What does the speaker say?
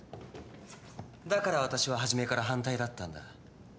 だから私は初めから反対だったんだ。